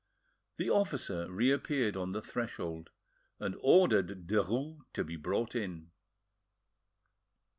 The officer reappeared on the threshold, and ordered Derues to be brought in.